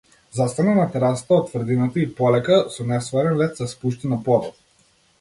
Застана на терасата од тврдината и полека, со нестварен лет се спушти на подот.